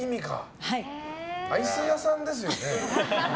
アイス屋さんですよね？